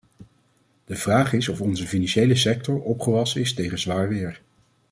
De vraag is of onze financiële sector opgewassen is tegen zwaar weer.